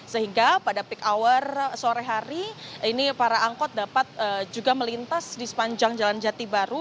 sehingga pada peak hour sore hari ini para angkot dapat juga melintas di sepanjang jalan jati baru